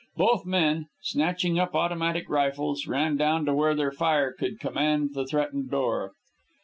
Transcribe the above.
Both men, snatching up automatic rifles, ran down to where their fire could command the threatened door.